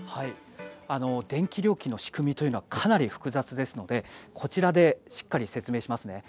電気料金の仕組みはかなり複雑ですのでこちらでしっかり説明しますね。